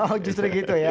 oh justru gitu ya